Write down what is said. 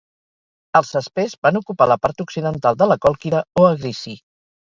Els Saspers van ocupar la part occidental de la Còlquida o Egrissi.